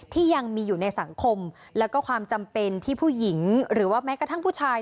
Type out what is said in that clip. ที่ยังมีอยู่ในสังคมแล้วก็ความจำเป็นที่ผู้หญิงหรือว่าแม้กระทั่งผู้ชาย